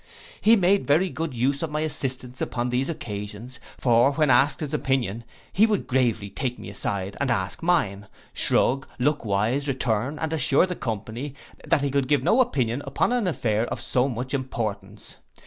He made very good use of my assistance upon these occasions; for when asked his opinion, he would gravely take me aside, and ask mine, shrug, look wise, return, and assure the company, that he could give no opinion upon an affair of so much importance.